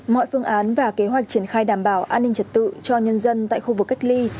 mọi phương án và kế hoạch triển khai đảm bảo an ninh trật tự cho nhân dân tại khu vực cách ly